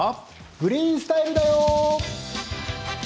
「グリーンスタイル」だよ。